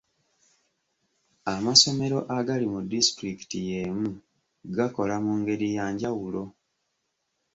Amasomero agali mu disitulikiti y'emu gakola mu ngeri ya njawulo.